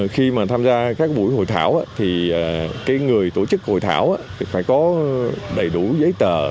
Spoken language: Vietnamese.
khi mà tham gia các buổi hội thảo thì người tổ chức hội thảo phải có đầy đủ giấy tờ